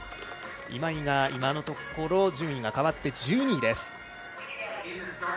今井が順位が変わって１２位です。